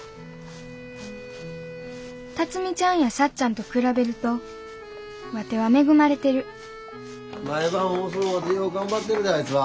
辰美ちゃんやさっちゃんと比べるとワテは恵まれてる毎晩遅うまでよう頑張ってるであいつは。